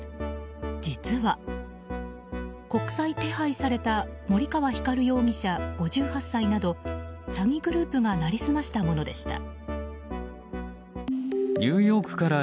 実は、国際手配された森川光容疑者、５８歳など詐欺グループがなりすましたものでした。